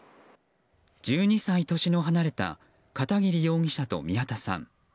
１２歳年の離れた片桐容疑者と宮田さん。